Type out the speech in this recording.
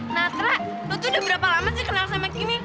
natra lo tuh udah berapa lama sih kenal sama kimi